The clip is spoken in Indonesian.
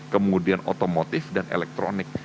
kemudian otomotif dan elektronik